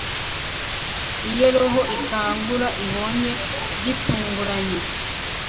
iyo roho ikangura ibonye gitunguranye